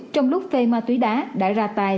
trong lúc phê mà túi đá đã ra tài